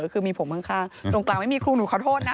คือมีผมข้างตรงกลางไม่มีครูหนูขอโทษนะ